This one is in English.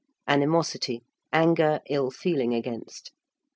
~animosity~: anger, ill feeling against.